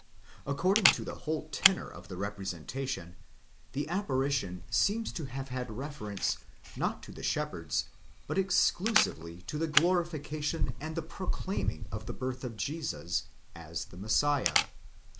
According to the whole tenor of the representation, the apparition seems to have had reference, not to the shepherds, but exclusively to the glorification and the proclaiming of the birth of Jesus, as the Messiah.